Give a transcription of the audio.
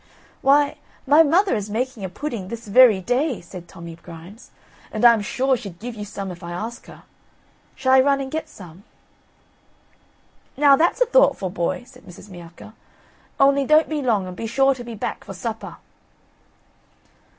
"Why, my mother is making a pudding this very day," said Tommy Grimes, "and I am sure she'd give you some, if I ask her. Shall I run and get some?" "Now, that's a thoughtful boy," said Mrs. Miacca, "only don't be long and be sure to be back for supper."